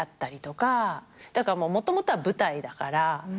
だからもともとは舞台だから。